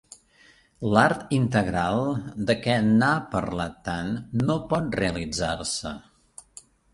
L'art integral, de què n'ha parlat tant, no pot realitzar-se.